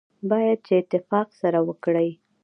باید چې اتفاق سره وکړي.